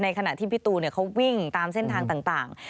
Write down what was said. ขณะที่พี่ตูนเขาวิ่งตามเส้นทางต่าง